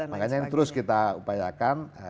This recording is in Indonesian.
makanya terus kita upayakan